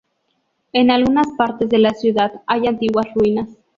En algunas partes de la ciudad hay antiguas ruinas.